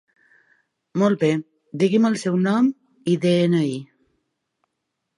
Molt be, digui'm el seu nom i de-ena-i.